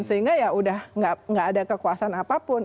sehingga ya udah nggak ada kekuasaan apapun